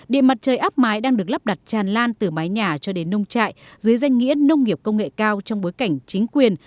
điện mặt trời áp mái đang được lắp đặt tràn lan từ mái nhà cho đến nông trại dưới danh nghĩa nông nghiệp công nghệ cao trong bối cảnh chính quyền